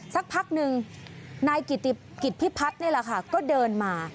สักพักนึงนายกิตพี่พัทนี่แหละค่ะก็เดินมา